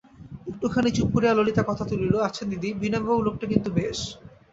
একটুখানি চুপ করিয়া ললিতা কথা তুলিল, আচ্ছা দিদি, বিনয়বাবু লোকটি কিন্তু বেশ।